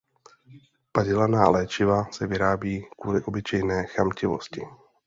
Padělaná léčiva se vyrábí kvůli obyčejné chamtivosti.